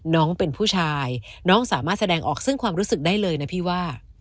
น้องเป็นผู้ชายน้องสามารถแสดงออกซึ่งความรู้สึกได้เลยนะพี่ว่า